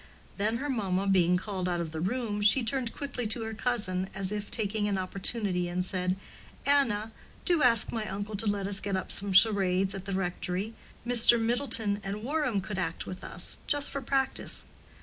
Then her mamma being called out of the room, she turned quickly to her cousin, as if taking an opportunity, and said, "Anna, do ask my uncle to let us get up some charades at the rectory. Mr. Middleton and Warham could act with us—just for practice.